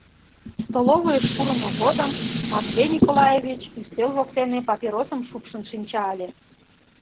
Столовыйыш пурымо годым Матвей Николаевич ӱстел воктене папиросым шупшын шинча ыле.